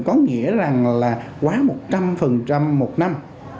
có nghĩa rằng là quá một trăm linh một năm